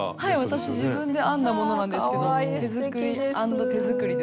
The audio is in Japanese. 私自分で編んだものなんですけど手作り＆手作りですね。